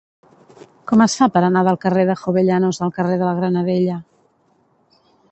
Com es fa per anar del carrer de Jovellanos al carrer de la Granadella?